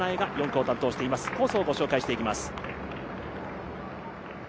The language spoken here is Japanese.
コースをご紹介していきます。